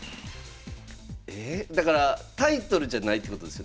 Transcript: だからタイトルじゃないってことですよね？